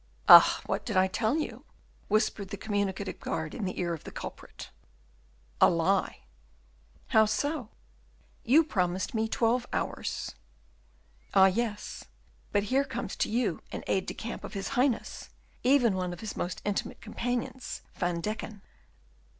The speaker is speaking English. "Ah! what did I tell you?" whispered the communicative guard in the ear of the culprit. "A lie." "How so?" "You promised me twelve hours." "Ah, yes, but here comes to you an aide de camp of his Highness, even one of his most intimate companions Van Deken.